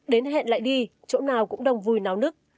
đến hẹn lại đi chỗ nào cũng đông vui náo nức